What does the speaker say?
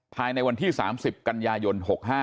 ภายในวันที่๓๐กันยายน๖๕